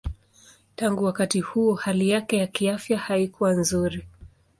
Tangu wakati huo hali yake ya kiafya haikuwa nzuri.